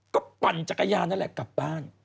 ก็ปั่นจักรยานนั่นแหละกลับบ้าน